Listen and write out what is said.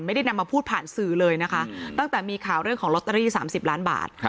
ไม่ได้นำมาพูดผ่านสื่อเลยนะคะตั้งแต่มีข่าวเรื่องของลอตเตอรี่๓๐ล้านบาท